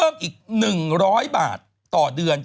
หมวดไปทั้งหลายพันทุกอย่าง